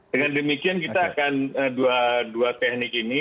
dengan demikian kita akan dua teknik ini